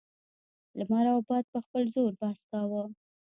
لمر او باد په خپل زور بحث کاوه.